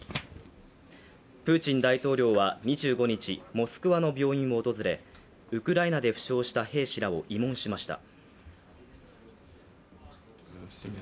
プーチン大統領は２５日モスクワの病院を訪れウクライナで負傷した兵士らを慰問しました。